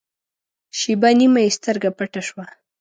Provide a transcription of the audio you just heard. شېبه نیمه یې سترګه پټه شوه.